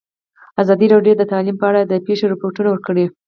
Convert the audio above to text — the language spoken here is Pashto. ازادي راډیو د تعلیم په اړه د پېښو رپوټونه ورکړي.